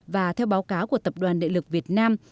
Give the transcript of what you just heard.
và theo báo cáo của tập đoàn địa lực việt nam